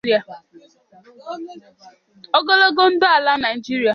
Ogologo ndụ ala Naịjiria!!!